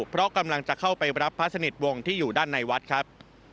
เพราะกำลังจะเข้าไปรับพระสนิทวงศ์ที่อยู่ด้านในวัดครับ